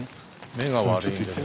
目が悪いんでね。